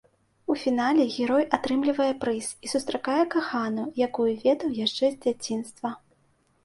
У фінале герой атрымлівае прыз і сустракае каханую, якую ведаў яшчэ з дзяцінства.